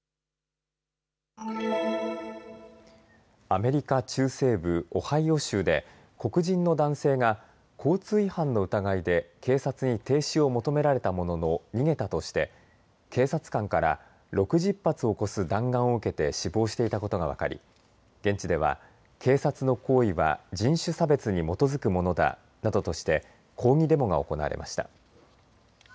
アメリカ中西部オハイオ州で黒人の男性が交通違反の疑いで警察に停止を求められたものの逃げたとして警察官から６０発を超す弾丸を受けて死亡していたことが分かり現地では警察の行為は人種差別に基づくものだなどとして抗議デモが行われました。